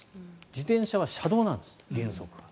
自転車は車道なんです、原則は。